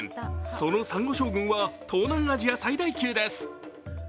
そのさんご礁群は東南アジア最大級です。